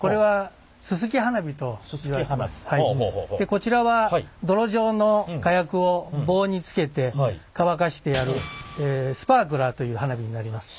こちらは泥状の火薬を棒に付けて乾かしてあるスパークラーという花火になります。